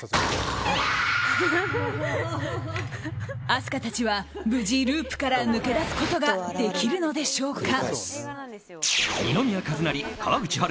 明日香たちは無事ループから抜け出すことができるのでしょうか。